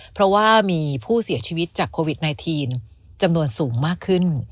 เพราะว่ามีผู้เสียชีวิตจากโควิด๑๙จำนวนสูงมากขึ้น